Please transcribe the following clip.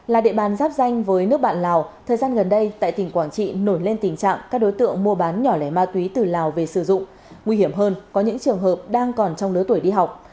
là địa bàn giáp danh với nước bạn lào thời gian gần đây tại tỉnh quảng trị nổi lên tình trạng các đối tượng mua bán nhỏ lẻ ma túy từ lào về sử dụng nguy hiểm hơn có những trường hợp đang còn trong lứa tuổi đi học